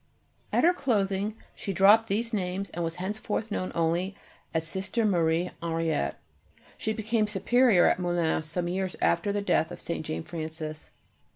At her clothing she dropped these names and was from henceforth only known as Sister M. Henriette. She became Superior at Moulins some years after the death of St. Jane Frances.